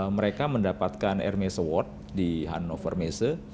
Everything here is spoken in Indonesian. mereka mendapatkan hermes award di hannover masy